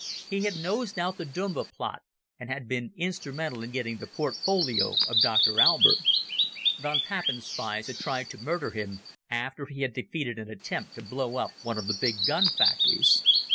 He had nosed out the Dumba plot, and had been instrumental in getting the portfolio of Dr Albert. Von Papen's spies had tried to murder him, after he had defeated an attempt to blow up one of the big gun factories.